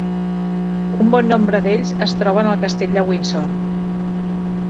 Un bon nombre d'ells es troben en el Castell de Windsor.